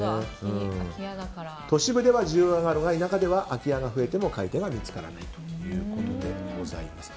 都市部では需要があるが田舎では空き家が増えても買い手が見つからないということです。